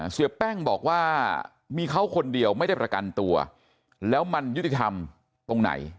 เสียแป้งบอกว่ามีเขาคนเดียวไม่ได้ประกันตัวแล้วมันยุติธรรมตรงไหน